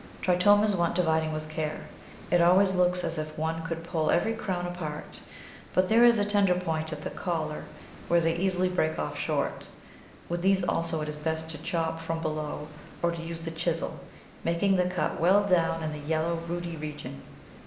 Tritomas want dividing with care; it always looks as if one could pull every crown apart, but there is a tender point at the "collar," where they easily break off short; with these also it is best to chop from below or to use the chisel, making the cut well down in the yellow rooty region.